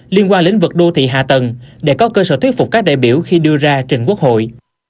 liên quan lĩnh vực đô thị hạ tầng để có cơ sở thuyết phục các đại biểu khi đưa ra trình quốc hội